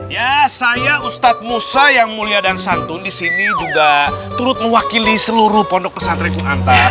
ya saya ustadz musa yang mulia dan santun disini juga turut mewakili seluruh pondok pesantren kunanta